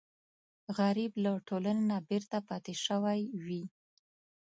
غریب له ټولنې نه بېرته پاتې شوی وي